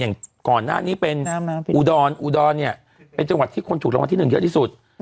อย่างก่อนหน้านี้เป็นอุดรอุดรเนี่ยเป็นจังหวัดที่คนถูกรางวัลที่๑เยอะที่สุด